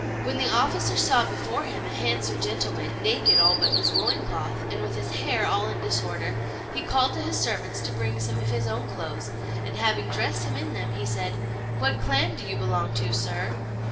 When the officer saw before him a handsome gentleman, naked all but his loincloth, and with his hair all in disorder, he called to his servants to bring some of his own clothes, and, having dressed him in them, said "What clan do you belong to, sir?"